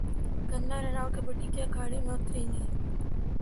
کنگنا رناوٹ کبڈی کے اکھاڑے میں اتریں گی